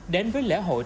đến với lễ hội